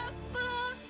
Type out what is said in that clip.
kamu sudah berubah